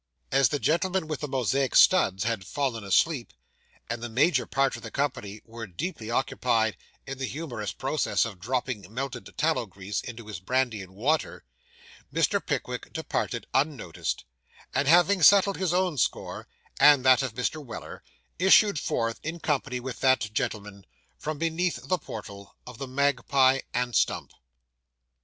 As the gentleman with the Mosaic studs had fallen asleep, and the major part of the company were deeply occupied in the humorous process of dropping melted tallow grease into his brandy and water, Mr. Pickwick departed unnoticed, and having settled his own score, and that of Mr. Weller, issued forth, in company with that gentleman, from beneath the portal of the Magpie and Stump.